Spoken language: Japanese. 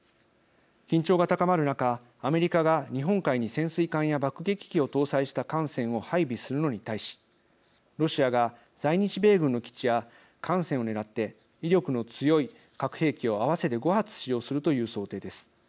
緊張が高まる中アメリカが日本海に潜水艦や爆撃機を搭載した艦船を配備するのに対しロシアが在日米軍の基地や艦船を狙って威力の強い核兵器を合わせて５発使用するという想定です。